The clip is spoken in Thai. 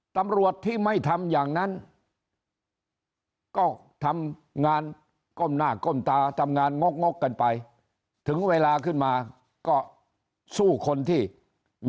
ตำรวจที่ไม่ทำอย่างนั้นก็ทำงานก้มหน้าก้มตาทำงานงกงกกันไปถึงเวลาขึ้นมาก็สู้คนที่